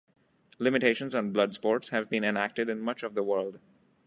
Limitations on blood sports have been enacted in much of the world.